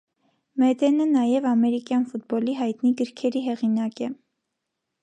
Մեդենը նաև ամերիկյան ֆուտբոլի հայտնի գրքերի հեղինակ է։